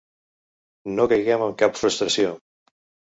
No caiguem en cap frustració.